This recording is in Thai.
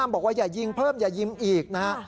บอกว่าอย่ายิงเพิ่มอย่ายิงอีกนะฮะ